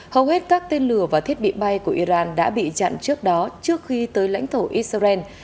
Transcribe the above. hầu hết các tên lửa và thiết bị bay của iran đã bị chặn trước đó trước khi tới lãnh thổ israel